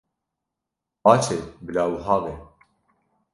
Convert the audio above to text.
Baş e, bila wiha be.